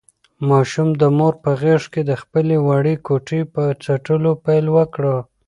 ماشوم د مور په غېږ کې د خپلې وړې ګوتې په څټلو پیل وکړ.